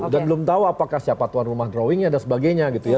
dan belum tahu apakah siapa tuan rumah drawingnya dan sebagainya gitu ya